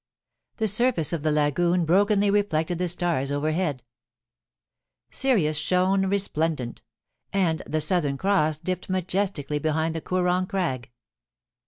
The surface of the lagoon brokenly reflected the stars overhead Sirius shone resplendent ; and the Southern Cross dipped majestically behind the Koorong Crag.